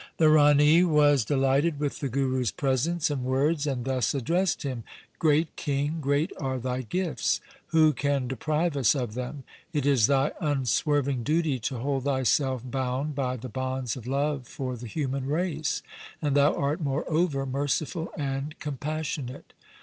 The Rani was delighted with the Guru's presents and words, and thus addressed him :' Great king, great are thy gifts. Who can deprive us of them ? It is thy un swerving duty to hold thyself bound by the bonds of love for the human race, and thou art, moreover, merciful and compassionate.'